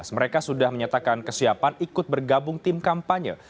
mereka sudah menyatakan kesiapan ikut bergabung tim kampanye